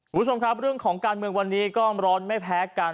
คุณผู้ชมครับเรื่องของการเมืองวันนี้ก็ร้อนไม่แพ้กัน